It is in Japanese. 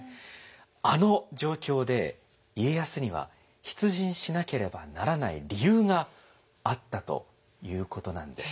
あの状況で家康には出陣しなければならない理由があったということなんです。